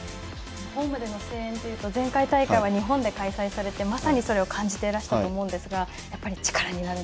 ホームでの声援というと前回大会は日本で開催されて、まさにそれを感じていらしたともちろんです。